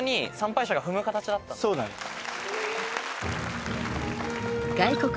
そうなんです。